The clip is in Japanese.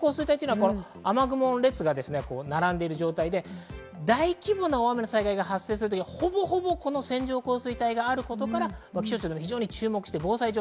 雨雲の列が並んでいる状態で、大規模な大雨の災害が発生する時はほぼほぼ線状降水帯があることから、気象庁でも注目しています。